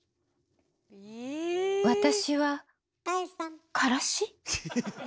私はからし。